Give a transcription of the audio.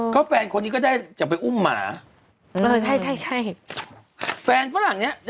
เขาแฟนคนนี้ก็ได้ไปจับอุ้มหมา